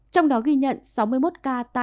trong đó ghi nhận sáu mươi một ca